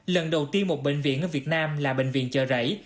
lần đầu tiên một bệnh viện ở việt nam là bệnh viện chợ rẫy